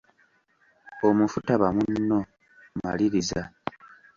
Omufu taba munno, Maliriza.